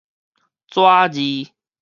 紙字